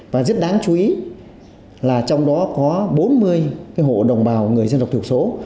và rất đáng chú ý là trong đó có bốn mươi hộ đồng bào người dân độc thuộc số